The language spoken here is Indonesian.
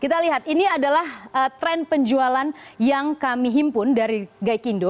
kita lihat ini adalah tren penjualan yang kami himpun dari gaikindo